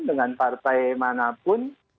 dengan partai manapun